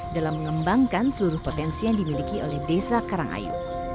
dalam mengembangkan seluruh potensi yang dimiliki oleh desa karangayu